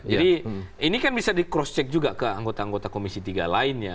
jadi ini kan bisa di cross check juga ke anggota anggota komisi tiga lainnya